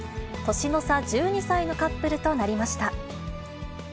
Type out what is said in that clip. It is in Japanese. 年の差１２歳のカップルとなりま